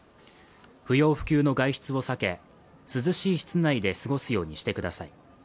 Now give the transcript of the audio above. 不要不急の外出を避け涼しい室内で過ごすようにしてください。